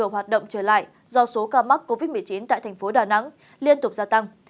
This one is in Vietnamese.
hoạt động trở lại do số ca mắc covid một mươi chín tại thành phố đà nẵng liên tục gia tăng